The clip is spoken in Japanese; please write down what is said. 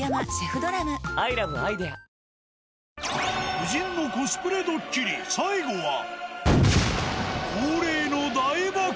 夫人のコスプレドッキリ、最後は、恒例の大爆破。